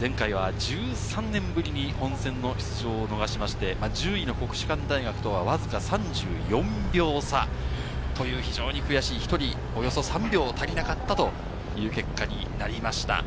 前回は１３年ぶりに本選の出場を逃しまして、１０位の国士舘大学とはわずか３４秒差という非常に悔しい、１人およそ３秒足りなかったという結果になりました。